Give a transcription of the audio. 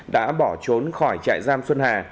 đã bỏ trốn khỏi trại giam xuân hà